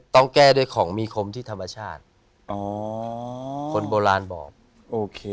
ต้องแก้ด้วยของมีคมที่ธรรมชาติอ๋อคนโบราณบอกโอเค